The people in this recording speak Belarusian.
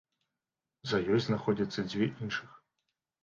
За ёй знаходзяцца дзве іншых.